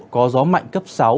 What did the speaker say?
có gió mạnh cấp sáu